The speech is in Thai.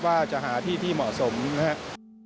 ว่าจะหาที่ที่เหมาะสมนะครับ